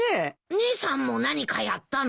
姉さんも何かやったの？